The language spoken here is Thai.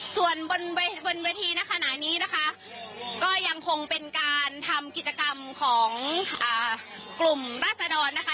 ส่วนบนเวทีในขณะนี้นะคะก็ยังคงเป็นการทำกิจกรรมของกลุ่มราศดรนะคะ